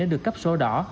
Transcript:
để được cấp số đỏ